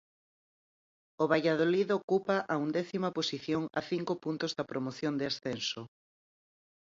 O Valladolid ocupa a undécima posición a cinco puntos da promoción de ascenso.